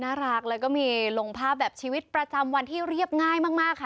น่ารักแล้วก็มีลงภาพแบบชีวิตประจำวันที่เรียบง่ายมากค่ะ